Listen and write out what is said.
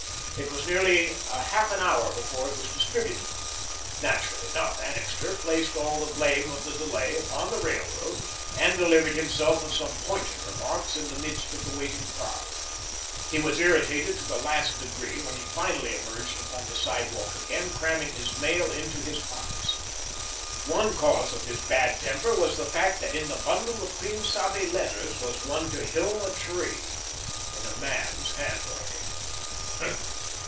It was nearly half an hour before it was distributed. Naturally enough, Annixter placed all the blame of the delay upon the railroad, and delivered himself of some pointed remarks in the midst of the waiting crowd. He was irritated to the last degree when he finally emerged upon the sidewalk again, cramming his mail into his pockets. One cause of his bad temper was the fact that in the bundle of Quien Sabe letters was one to Hilma Tree in a man's handwriting.